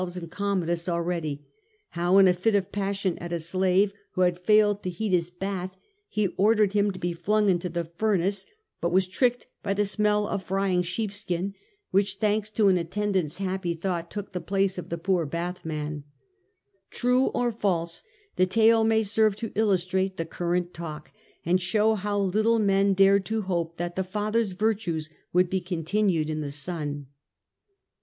Roman gossips had an ugly story of the signs of cruelty which had shown themselves in Commodus already ; how in a fit of passion at a slave who had failed to heat his bath, he ordered him to be flung into the furnace, but was tricked by the smell of frying sheepskin, which, thanks to an attendant's happy thought, took the place of the poor bath man. True or false, the tale may serve to illustrate the current talk, and show how little men dared to hope that the father's virtues would be continued in the son.